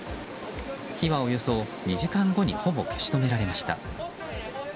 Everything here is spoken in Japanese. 火はおよそ２時間後にほぼ消し止められました。